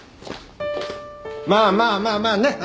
まあまあまあまあねっ。